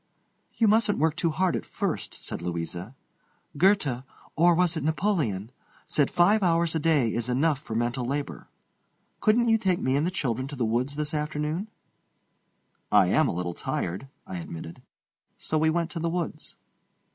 "You mustn't work too hard at first," said Louisa. "Goethe—or was it Napoleon?—said five hours a day is enough for mental labor. Couldn't you take me and the children to the woods this afternoon?" "I am a little tired," I admitted. So we went to the woods.